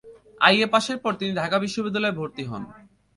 I A পাসের পর তিনি ঢাকা বিশ্ববিদ্যালয়ে ভর্তি হন।